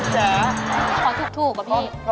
คนทุกกับพี่